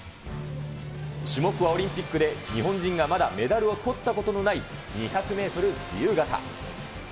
種目はオリンピックで日本人がまだメダルを取ったことのない２００メートル自由形。